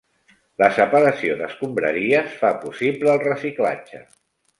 La separació d'escombraries fa possible el reciclatge.